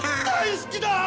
大好きだ！